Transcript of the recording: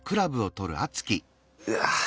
うわ。